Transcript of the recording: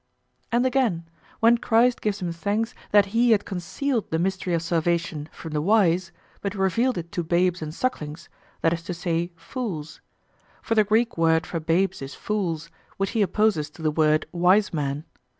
And again, when Christ gives Him thanks that He had concealed the mystery of salvation from the wise, but revealed it to babes and sucklings, that is to say, fools. For the Greek word for babes is fools, which he opposes to the word wise men.